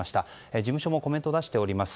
事務所もコメントを出しております。